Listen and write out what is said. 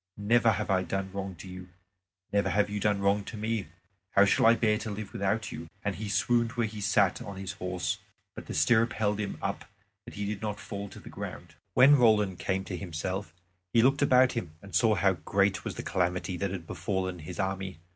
Never have I done wrong to you; never have you done wrong to me. How shall I bear to live without you?" And he swooned where he sat on his horse. But the stirrup held him up that he did not fall to the ground. When Roland came to himself he looked about him and saw how great was the calamity that had befallen his army.